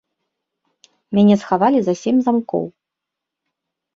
Мяне схавалі за сем замкоў.